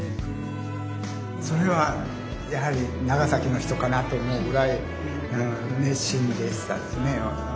それはやはり長崎の人かなと思うぐらい熱心でしたですね